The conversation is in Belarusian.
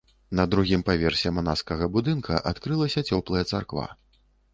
На другім паверсе манаскага будынка адкрылася цёплая царква.